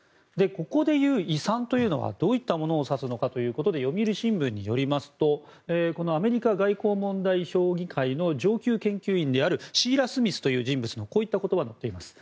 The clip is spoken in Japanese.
ここでいう遺産というのはどういったものを指すのかということで読売新聞によりますとこのアメリカ外交問題評議会の上級研究員であるシーラ・スミスという人物のこういった言葉が載っています。